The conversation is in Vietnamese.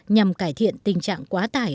nhằm cải thiện tình trạng quá tải